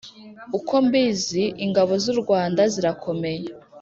uko mbizi, ingabo zurwanda zirakomeye